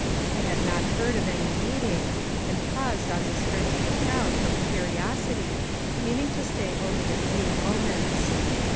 I had not heard of any meeting, and paused on the skirts of the crowd from curiosity, meaning to stay only a few moments.